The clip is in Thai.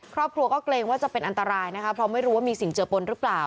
ครอบครัวก็เกรงว่าจะเป็นอันตรายนะคะเพราะไม่รู้ว่ามีสิ่งเจอปนหรือเปล่า